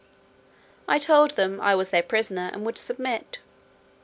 I told them, "I was their prisoner, and would submit."